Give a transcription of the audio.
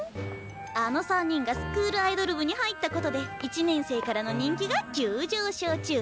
あの３人がスクールアイドル部に入ったことで１年生からの人気が急上昇中。